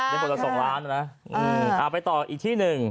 เอาไปต่ออีกที่หนึ่ง